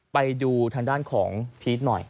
ไปดูทางด้านของพีชหน่อย